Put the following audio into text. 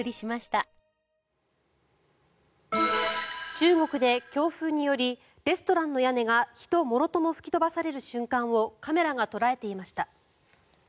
中国で、強風によりレストランの屋根が人もろとも吹き飛ばされる瞬間をカメラが捉えていました。